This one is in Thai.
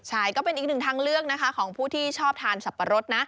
ใช่ก็เป็นอีกหนึ่งทางเลือกนะคะของผู้ที่ชอบทานสับปะรดนะ